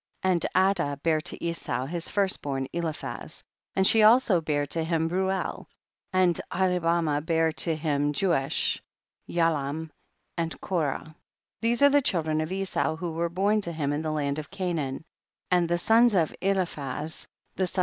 And Adah bare to Esau his first born Eliphaz, and she also bare to him Reuel, and Ahlibamah bare to him Jeush, Yaalam and Korah. 23. These are the children of Esau who were born to him in the land of Canaan ; and the sons of Eliphaz 108 THE BOOK OF JASHER.